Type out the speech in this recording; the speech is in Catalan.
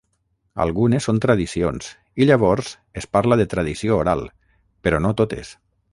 Algunes són tradicions, i llavors es parla de tradició oral, però no totes.